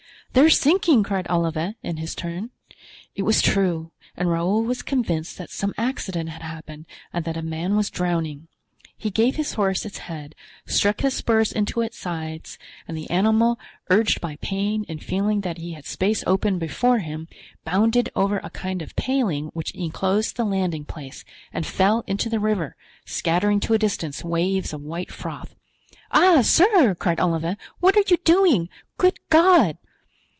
"They are sinking!" cried Olivain in his turn. It was true, and Raoul was convinced that some accident had happened and that a man was drowning; he gave his horse its head, struck his spurs into its sides, and the animal, urged by pain and feeling that he had space open before him, bounded over a kind of paling which inclosed the landing place, and fell into the river, scattering to a distance waves of white froth. "Ah, sir!" cried Olivain, "what are you doing? Good God!"